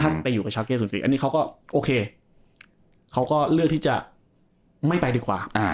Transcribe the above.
ถ้าจะไปอยู่กับเช้าเกียร์ศูนย์สี่อันนี้เขาก็โอเคเขาก็เลือกที่จะไม่ไปดีกว่าอ่า